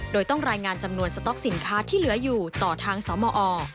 โดยต้องรายงานจำนวนสต๊อกสินค้าที่เหลืออยู่ต่อทางสมอ